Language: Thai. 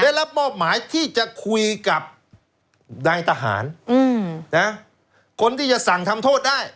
ได้รับมอบหมายที่จะคุยกับนายทหารคนที่จะสั่งทำโทษได้